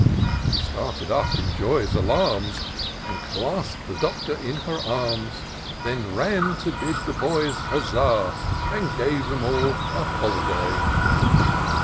She started up in joy's alarms. And clasp'd the Doctor in her arms ; Then ran to bid the boys huzisa, And gave them all a holiday.